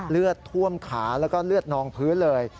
เลือดท่วมขาแล้วก็เลือดนองพื้นเลย